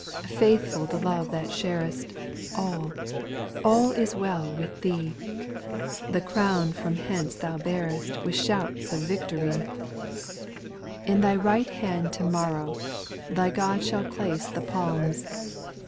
6. Faithful the love thou sharest ; All, all is well with thee ; The crown from hence thou bearest With shouts of victory. SPIRITUAL SONGS. 409 In thy right hand to morrow Thy God shall place the palms.